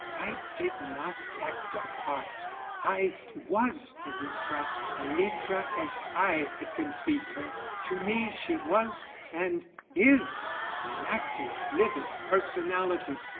I did not act a part; I was Anitra; Anitra as I had conceived her. To me she was and is an active, living personality.